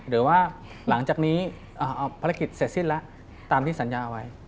หรือว่าหลังจากนี้ภารกิจเสร็จสิ้นแล้วตามที่สัญญาไว้